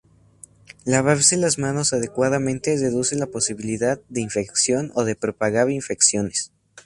Lavarse las manos adecuadamente reduce la posibilidad de infección o de propagar infecciones.